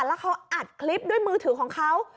แล้วเขาอัดคลิปด้วยมือถือของเขา